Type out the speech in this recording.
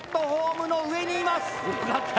よかった。